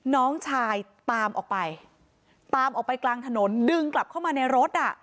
น้องชายตามออกไปตามออกไปกลางถนนดึงกลับเข้ามาในรถอ่ะ